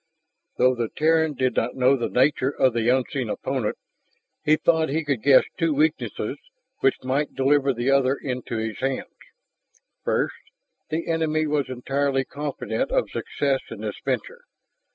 Though the Terran did not know the nature of the unseen opponent, he thought he could guess two weaknesses which might deliver the other into his hands. First, the enemy was entirely confident of success in this venture.